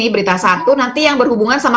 berita satu nanti yang berhubungan sama